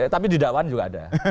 tapi di dakwan juga ada